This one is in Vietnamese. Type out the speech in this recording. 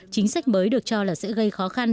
chính sách mới được cho là sẽ gây khó khăn